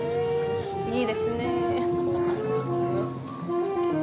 いいですねえ。